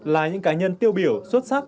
là những cá nhân tiêu biểu xuất sắc